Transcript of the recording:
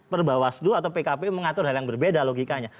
perbawaslu atau pkpu mengatur hal yang berbeda logikanya